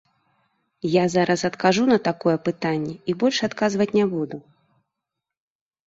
Я зараз адкажу на такое пытанне, і больш адказваць не буду.